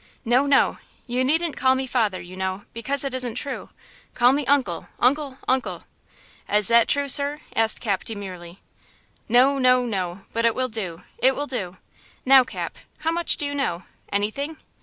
"No, no; you needn't call me father, you know, because it isn't true. Call me uncle, uncle, uncle." "Is that true, sir? " asked Cap, demurely. "No, no, no; but it will do, it will do. Now, Cap, how much do you know? Anything?